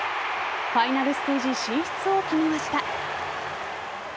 ファイナルステージ進出を決めました。